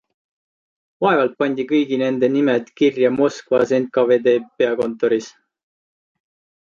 Vaevalt pandi kõigi nende nimed kirja Moskvas NKVD peakontoris?